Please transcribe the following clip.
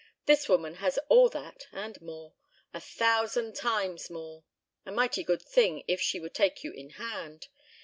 This woman has all that and more a thousand times more. A mighty good thing if she would take you in hand.